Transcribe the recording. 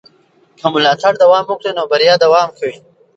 که ملاتړ دوام وکړي نو بریا دوام کوي.